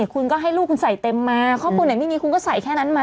คุณก็ให้ลูกคุณใส่เต็มมาครอบครัวไหนไม่มีคุณก็ใส่แค่นั้นมา